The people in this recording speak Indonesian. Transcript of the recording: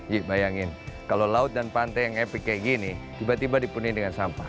yih bayangin kalau laut dan pantai yang epic kayak gini tiba tiba dipenuhi dengan sampah